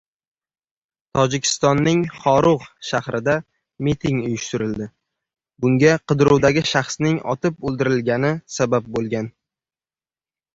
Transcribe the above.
Tojikistonning Xorug‘ shahrida miting uyushtirildi. Bunga qidiruvdagi shaxsning otib o‘ldirilgani sabab bo‘lgan